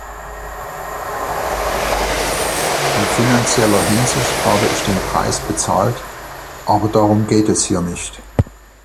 In finanzieller Hinsicht habe ich den Preis bezahlt, aber darum geht es hier nicht.